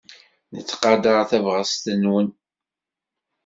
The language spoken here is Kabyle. Nettqadar tabɣest-nwen.